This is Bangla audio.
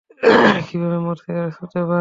কীভাবে মদ-সিগারেট ছুঁতে পায়?